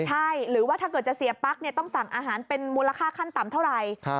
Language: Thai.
ใช่หรือว่าถ้าเกิดจะเสียปั๊กต้องสั่งอาหารเป็นมูลค่าขั้นต่ำเท่าไหร่